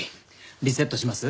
リセットします？